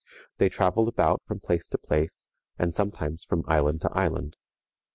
They traveled about from place to place, and sometimes from island to island.